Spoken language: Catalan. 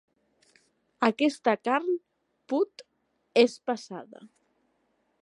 Aquesta carn put: és passada.